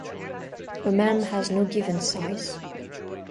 A meme has no given size.